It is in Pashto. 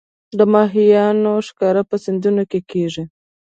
د ماهیانو ښکار په سیندونو کې کیږي